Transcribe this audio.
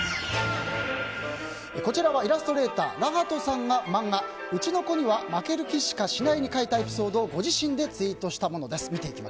こちらはイラストレーター羅鳩さんが漫画「うちの子には負ける気しかしない」に描いたエピソードをご自身でツイートしたものです。